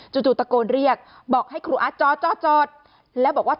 จู่ตะโกนเรียกบอกให้ครูอาร์ตจอดจอดแล้วบอกว่า